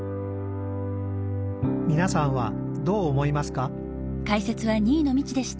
みなさんはどう思いますか？